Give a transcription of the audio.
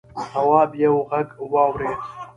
تواب یوه غږ واورېد.